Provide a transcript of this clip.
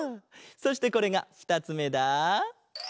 そしてこれがふたつめだ。